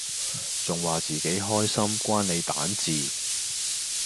仲話自己開心關你蛋治